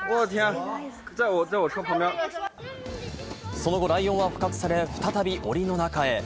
その後、ライオンは捕獲され再び檻の中へ。